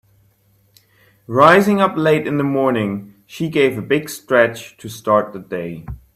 Rising up late in the morning she gave a big stretch to start the day.